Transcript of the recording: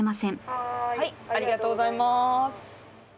ありがとうございます。